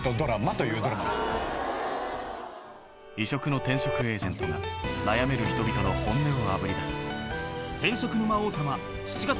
［異色の転職エージェントが悩める人々の本音をあぶり出す］